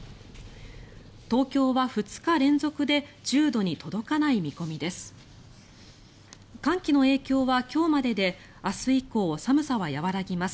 東京は２日連続で１０度に届かない見込みです。